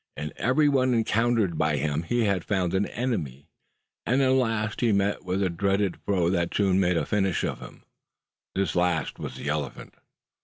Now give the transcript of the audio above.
In every one encountered by him he had found an enemy; and in the last he met with a dread foe that soon made a finish of him. This last was the elephant.